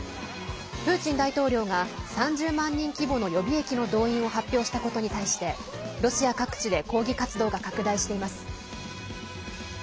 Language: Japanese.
プーチン大統領が３０万人規模の予備役の動員を発表したことに対してロシア各地で抗議活動が拡大しています。